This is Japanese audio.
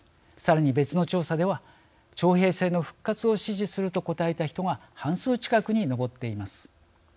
さらに別の調査では徴兵制の復活を支持すると答えた人が半数近くに上っています。